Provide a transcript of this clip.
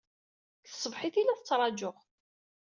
Seg tṣebḥit ay la t-ttṛajuɣ.